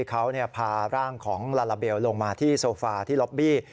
เขาพาร่างของลาลาเบลลงมาที่โซฟาที่ล็อบบี้